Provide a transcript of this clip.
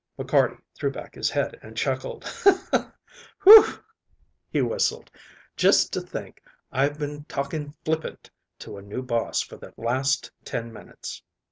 McCarty threw back his head and chuckled. "Whew!" he whistled, "just to think I've been talking flippant to a new boss for the last ten minutes."